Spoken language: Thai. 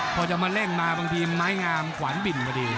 พอจะมาเร่งมาบางทีไม้งามขวานบิ่นพอดี